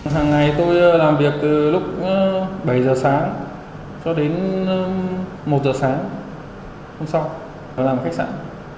hằng ngày tôi làm việc từ lúc bảy giờ sáng cho đến một giờ sáng không xong tôi làm khách sạn